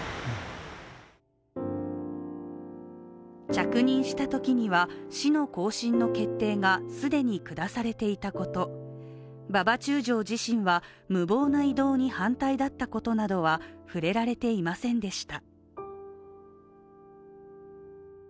着任したときには死の行進の決定が既に下されていたこと馬場中将自身は、無謀な移動に反対だったことなどは触れられていませんでした。